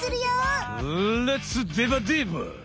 レッツデバデバ！